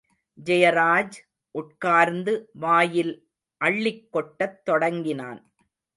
ஜெயராஜ் உட்கார்ந்து வாயில் அள்ளிக் கொட்டத் தொடங்கினான்.